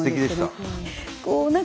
いやすてきでした。